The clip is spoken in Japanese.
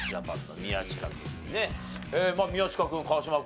宮近君川島君